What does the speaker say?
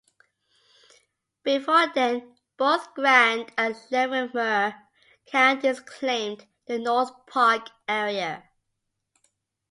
Before then, both Grand and Larimer Counties claimed the North Park area.